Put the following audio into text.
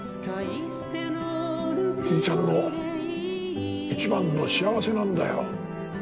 じいちゃんの一番の幸せなんだよ。